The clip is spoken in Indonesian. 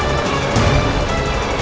aku akan menangkapmu